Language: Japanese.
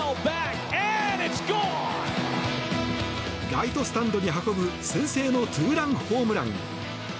ライトスタンドに運ぶ先制のツーランホームラン。